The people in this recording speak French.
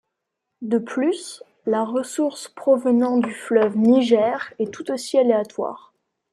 De plus, la ressource provenant du fleuve Niger est tout aussi aléatoire.